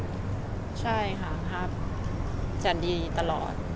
พี่หิมใช่ค่ะครับแสดงดีตลอด